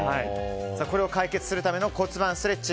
これを解決するための骨盤ストレッチ。